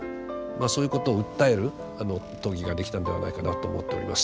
そういうことを訴える討議ができたんではないかなと思っております。